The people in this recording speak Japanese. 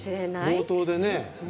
冒頭でね。